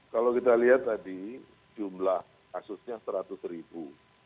kalau kita lihat tadi jumlah kasusnya seratus ribu